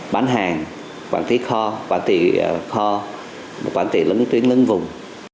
bán hàng quản lý kho quản lý kho quản lý lưỡng tuyến lưng vùng